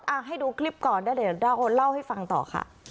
ให้ดูคลิปก่อนแล้วเดี๋ยวเล่าให้ฟังต่อค่ะ